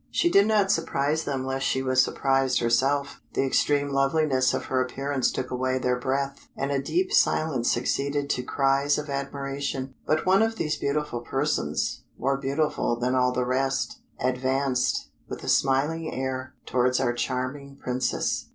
She did not surprise them less than she was surprised herself: the extreme loveliness of her appearance took away their breath, and a deep silence succeeded to cries of admiration. But one of these beautiful persons, more beautiful than all the rest, advanced, with a smiling air, towards our charming Princess.